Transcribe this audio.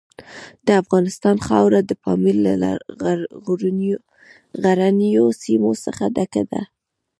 د افغانستان خاوره د پامیر له غرنیو سیمو څخه ډکه ده.